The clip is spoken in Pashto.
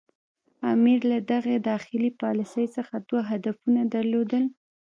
امیر له دغې داخلي پالیسي څخه دوه هدفونه درلودل.